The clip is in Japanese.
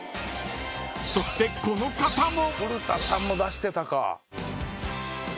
［そしてこの方も］